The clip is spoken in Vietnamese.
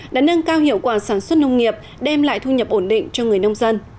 đã nâng cao hiệu quả sản xuất nông nghiệp đem lại thu nhập ổn định cho người nông dân